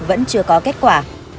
vẫn chưa có kết quả